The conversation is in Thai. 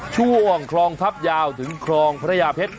ช่วงคลองทัพยาวถึงคลองพระยาเพชร